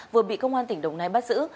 vừa bị công an tỉnh đồng nai bắt giữ